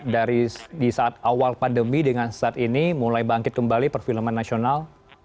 dari di saat awal pandemi dengan saat ini mulai bangkit kembali perfilman nasional